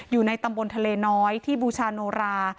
อยู่ในตำบลทะเลน้อยที่บูชาโนรา